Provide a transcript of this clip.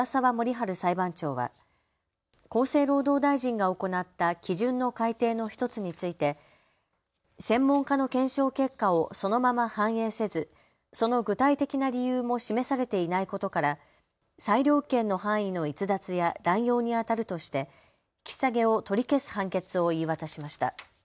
春裁判長は厚生労働大臣が行った基準の改定の１つについて専門家の検証結果をそのまま反映せずその具体的な理由も示されていないことから裁量権の範囲の逸脱や乱用にあたるとして引き下げを取り消す判決を言い渡しました。